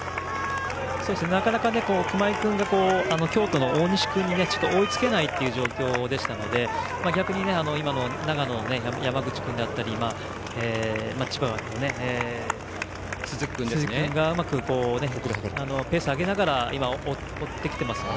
なかなか熊井君が京都の大西君に追いつけない状況でしたので逆に、長野の山口君だったり千葉の鈴木君がうまくペースを上げながら追ってきていますよね。